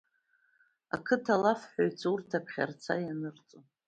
Ақыҭа алафҳәаҩцәа урҭ аԥхьарца ианырҵон.